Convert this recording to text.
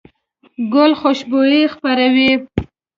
ګل خوشبويي خپروي.